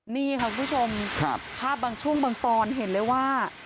นี่ค่ะคุณผู้ชมภาพบางช่วงบางตอนเห็นเลยว่า